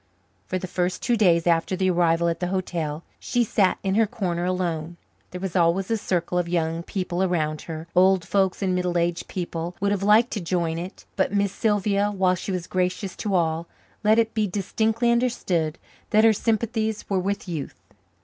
For the first two days after the arrival at the hotel she sat in her corner alone. There was always a circle of young people around her; old folks and middle aged people would have liked to join it, but Miss Sylvia, while she was gracious to all, let it be distinctly understood that her sympathies were with youth.